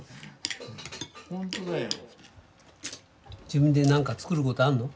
自分で何か作ることあるの？